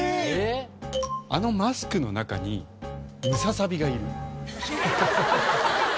あのマスクの中にムササビがいる。